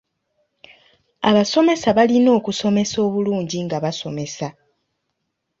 Abasomesa balina okusomesa obulungi nga basomesa.